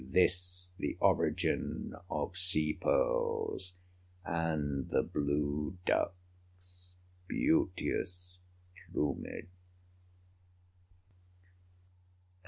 This the origin of sea pearls, And the blue duck's beauteous plumage.